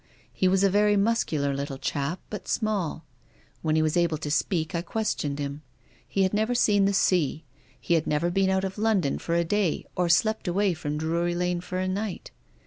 He was a very muscular little chap, but small. When he was able to speak I questioned him. He had never seen the sea. He had never been out of London for a day or slept away from Drury Lane for a night.